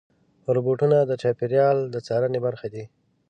روبوټونه د چاپېریال د څارنې برخه دي.